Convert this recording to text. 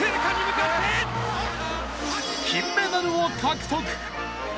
金メダルを獲得。